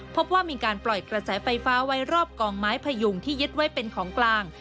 พบว่ามีการปล่อยกระแสไฟฟ้าไว้รอบกองไม้พยุงที่ยึดไว้เป็นของกลาง